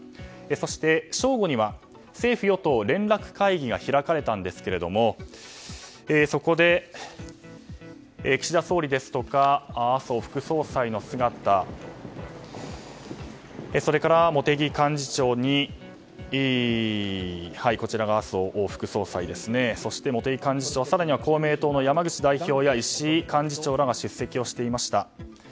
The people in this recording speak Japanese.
そして正午には政府与党連絡会議が開かれたんですけれどもそこで岸田総理や麻生副総裁の姿それから茂木幹事長更には公明党の山口代表や石井幹事長が出席をしていました。